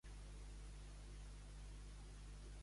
Què havia après Sòcrates de Diòtima?